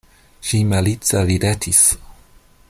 Ŝi malice ridetis.